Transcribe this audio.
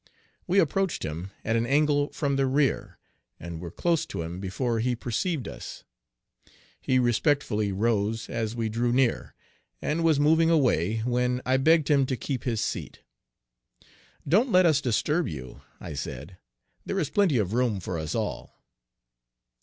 We approached him at an angle from the rear, and were close to him before he perceived us. He respectfully rose as we drew near, and was moving away, when I begged him to keep his seat. "Don't let us disturb you," I said. "There is plenty of room for us all."